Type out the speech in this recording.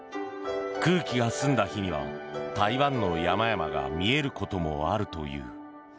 空気が澄んだ日には台湾の山々が見えることもあるという。